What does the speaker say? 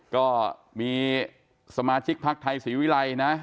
ก็มีสมาชิกพักไทยศรีวิรัยนะ